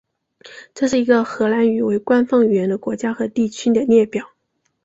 这是一个以荷兰语为官方语言的国家和地区的列表。